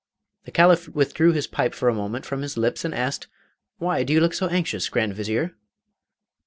The Caliph withdrew his pipe for a moment from his lips and asked, 'Why do you look so anxious, Grand Vizier?